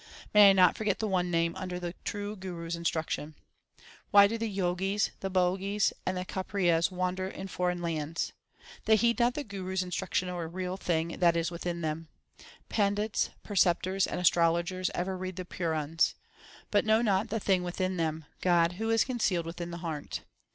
May I not forget the one Name under the true Guru s instruction ! Why do the Jogis, the Bhogis, 1 and the Kaprias wander in foreign lands ? They heed not the Guru s instruction or the Real Thing that is within them. Pandits, preceptors, and astrologers ever read the Purans, But know not the Thing within them God who is con cealed within the heart.